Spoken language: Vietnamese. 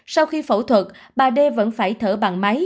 sau khi phẫu thuật bà đê vẫn phải thở bằng máy